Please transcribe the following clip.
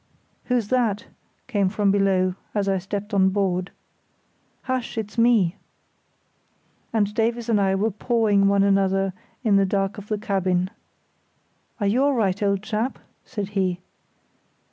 "Who's that?" came from below, as I stepped on board. "Hush! it's me." And Davies and I were pawing one another in the dark of the cabin. "Are you all right, old chap?" said he.